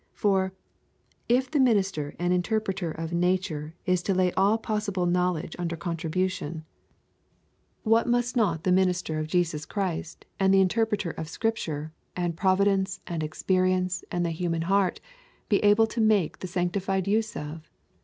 For, if the minister and interpreter of nature is to lay all possible knowledge under contribution, what must not the minister of Jesus Christ and the interpreter of Scripture and providence and experience and the human heart be able to make the sanctified use of?